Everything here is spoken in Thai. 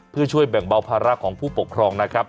เพื่อช่วยแบ่งเบาภาระของผู้ปกครองนะครับ